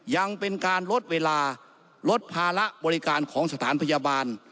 ยังเป็นการลดเวลาลดภาระบริการของสถานพยาบาล